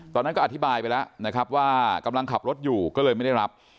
ตอนนั้นก็อธิบายไปแล้วนะครับว่ากำลังขับรถอยู่ก็เลยไม่ได้รับ